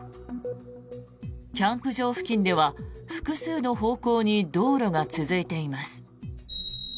キャンプ場付近では複数の方向に道路が続いています。